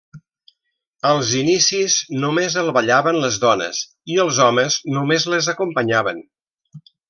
Als inicis només el ballaven les dones, i els homes només les acompanyaven.